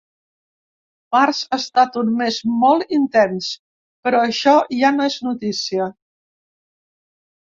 Març ha estat un mes molt intens, però això ja no és notícia.